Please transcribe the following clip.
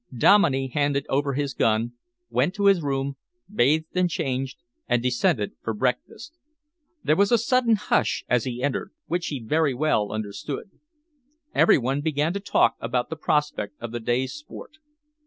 Dominey handed over his gun, went to his room, bathed and changed, and descended for breakfast. There was a sudden hush as he entered, which he very well understood. Every one began to talk about the prospect of the day's sport.